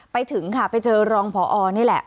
ไปถึงค่ะไปเจอรองพอนี่แหละ